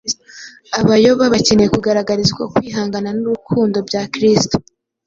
Abayoba bakeneye kugaragarizwa ukwihangana n’urukundo bya Kristo,